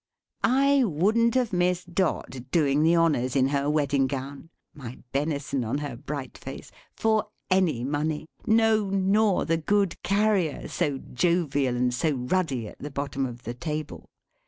I wouldn't have missed Dot, doing the honors in her wedding gown: my benison on her bright face! for any money. No! nor the good Carrier, so jovial and so ruddy, at the bottom of the table.